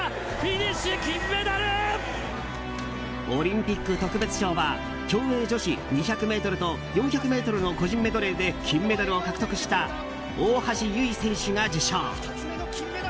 オリンピック特別賞は競泳女子２００ｍと４００ｍの個人メドレーで金メダルを獲得した大橋悠依選手が受賞。